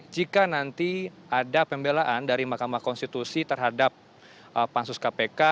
jika nanti ada pembelaan dari mahkamah konstitusi terhadap pansus kpk